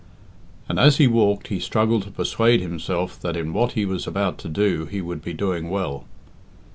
And as he walked he struggled to persuade himself that in what he was about to do he would be doing well.